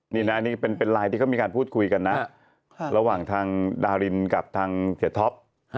นี่นะนี่เป็นไลน์ที่เขามีการพูดคุยกันนะระหว่างทางดารินกับทางเสียท็อป